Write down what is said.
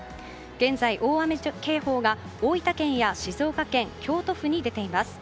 現在、大雨警報が大分県や静岡県京都府に出ています。